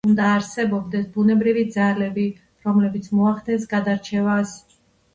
უნდა არსებობდეს ბუნებრივი ძალები, რომლებიც მოახდენს გადარჩევას.